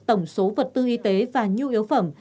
tổng số vật tư y tế và nhu yếu phẩm